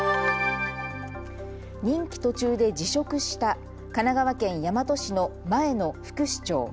任期途中で辞職した神奈川県大和市の前の副市長。